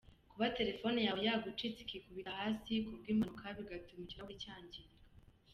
Kuba telefone yawe yagucitse ikikubita hasi kubw'impanuka bigatuma ikirahuri cyangirika.